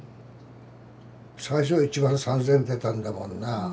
最初１万３，０００出たんだもんな。